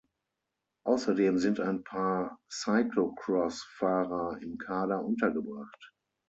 Außerdem sind ein paar Cyclocross-Fahrer im Kader untergebracht.